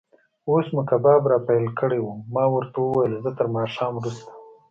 اوس مو کباب را پیل کړی و، ما ورته وویل: زه تر ماښام وروسته.